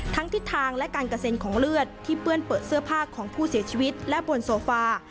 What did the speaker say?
ทิศทางและการกระเซ็นของเลือดที่เปื้อนเปิดเสื้อผ้าของผู้เสียชีวิตและบนโซฟา